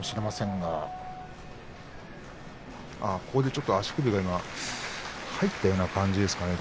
ちょっと足首が入ったような感じですかね。